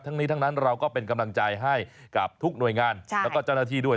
ทั้งนี้ทั้งนั้นเราก็เป็นกำลังใจให้กับทุกหน่วยงานแล้วก็เจ้าหน้าที่ด้วย